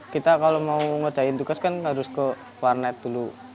kita kalau mau ngerjain tugas kan harus ke warnet dulu